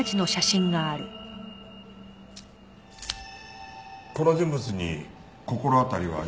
この人物に心当たりはありませんか？